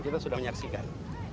kita sudah menyaksikan